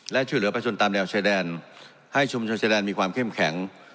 และช่วยเหลือประชนตามแนวชายแดนให้ชุมชนชายแดนมีความเข้มแข็ง